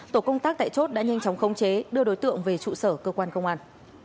tổ công tác tại chốt đã nhanh chóng khống chế đưa đối tượng về trụ sở cơ quan công an